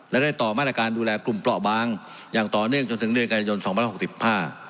และได้ต่อมาตรการดูแลกลุ่มเปราะบางอย่างต่อเนื่องจนถึงเดือนกันยายนสองพันหกสิบห้า